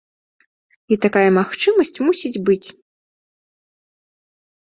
А такая магчымасць мусіць быць.